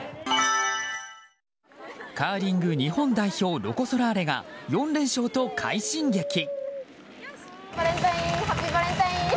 カーリング日本代表ロコ・ソラーレが４連勝と快進撃。